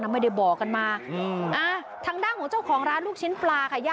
ไม่ได้บอกกันมาอืมอ่าทางด้านของเจ้าของร้านลูกชิ้นปลาค่ะย่า